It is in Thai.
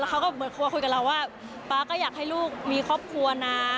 แล้วเขาก็คุยกับเราว่าป๊าก็อยากให้ลูกมีครอบครัวนะ